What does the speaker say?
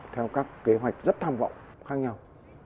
theo các kế hoạch rất tham vọng khác nhau